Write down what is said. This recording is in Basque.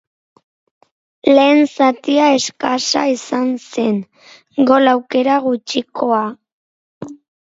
Lehen zatia eskasa izan zen, gol aukera gutxikoa.